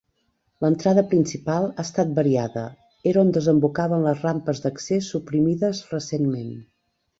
L'entrada principal ha estat variada: era on desembocaven les rampes d'accés suprimides recentment.